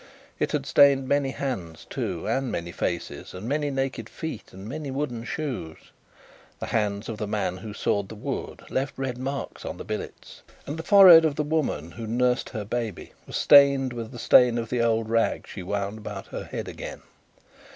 It had stained many hands, too, and many faces, and many naked feet, and many wooden shoes. The hands of the man who sawed the wood, left red marks on the billets; and the forehead of the woman who nursed her baby, was stained with the stain of the old rag she wound about her head again.